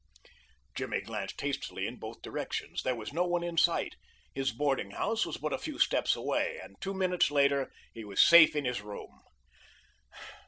Jimmy glanced hastily in both directions. There was no one in sight. His boardinghouse was but a few steps away, and two minutes later he was safe in his room.